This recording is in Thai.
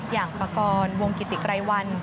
อย่างประกอลวงกิติไกรวัล